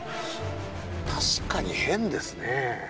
確かに変ですね。